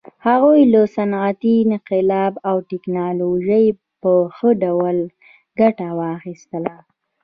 هغوی له صنعتي انقلاب او ټکنالوژۍ په ښه ډول ګټه واخیسته.